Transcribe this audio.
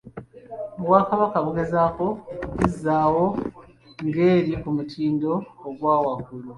Obwakabaka bugezaako okugizzaawo ng'eri ku mutindo ogwa waggulu.